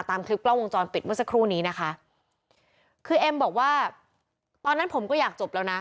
ตามคลิปกล้องวงจรปิดเมื่อสักครู่นี้นะคะคือเอ็มบอกว่าตอนนั้นผมก็อยากจบแล้วนะ